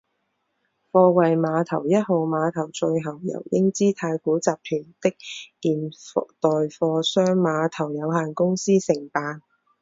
货柜码头一号码头最后由英资太古集团的现代货箱码头有限公司承办。